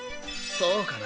そうかな？